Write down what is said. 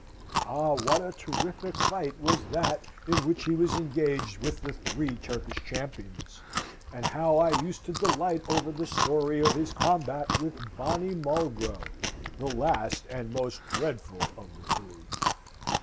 Ah, what a terrific fight was that in which he was engaged with the three Turkish champions, and how I used to delight over the story of his combat with Bonny Molgro, the last and most dreadful of the three!